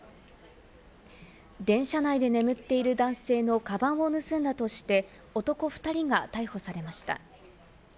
電車内で眠っている男性のカバンを盗んだとして男２人が逮捕されました。